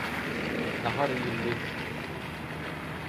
Nahar iýildi.